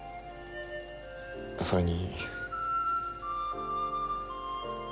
それに。